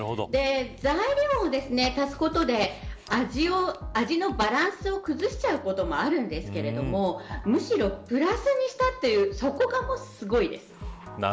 材料を足すことで味のバランスを崩しちゃうこともあるんですけれどもむしろ、プラスにしたというそこがすごいです。